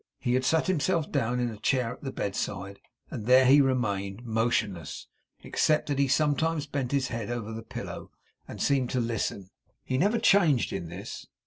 He had sat himself down in a chair at the bedside, and there he remained, motionless; except that he sometimes bent his head over the pillow, and seemed to listen. He never changed in this.